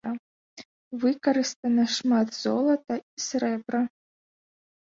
Выкарыстана шмат золата і срэбра.